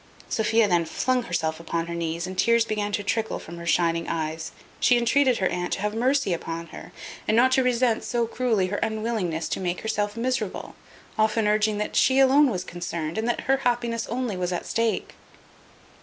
Sophia then flung herself upon her knees, and tears began to trickle from her shining eyes. She entreated her aunt, "to have mercy upon her, and not to resent so cruelly her unwillingness to make herself miserable;" often urging, "that she alone was concerned, and that her happiness only was at stake."